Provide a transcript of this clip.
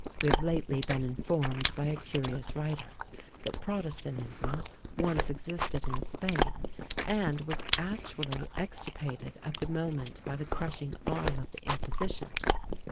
We have lately been informed by a curious writer, that protestantism once existed in Spain, and was actually extirpated at the moment by the crushing arm of the Inquisition.